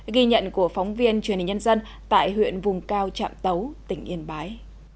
ghi nhận của phóng viên truyền hình nhân dân tại huyện vùng cao trạm tấu tỉnh yên bái